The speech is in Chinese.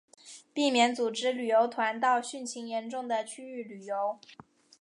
避免组织旅游团到汛情严重的区域旅游